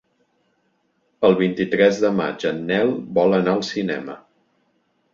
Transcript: El vint-i-tres de maig en Nel vol anar al cinema.